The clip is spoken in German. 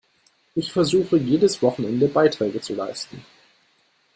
Ich versuche, jedes Wochenende Beiträge zu leisten.